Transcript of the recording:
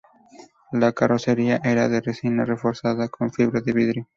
La carrocería era de resina reforzada con fibra de vidrio.